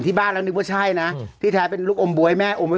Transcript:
บ้านแล้วนึกว่าใช่นะที่แท้เป็นลูกอมบ๊วยแม่อมไว้